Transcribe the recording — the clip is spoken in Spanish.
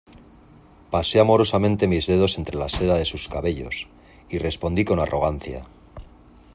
pasé amorosamente mis dedos entre la seda de sus cabellos, y respondí con arrogancia: